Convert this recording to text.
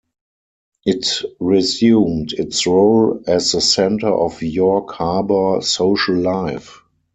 It resumed its role as the center of York Harbor social life.